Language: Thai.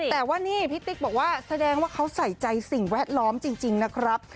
แต่ว่านี่พี่ติ๊กบอกว่าแสดงว่าเขาใส่ใจสิ่งแวดล้อมจริงนะครับ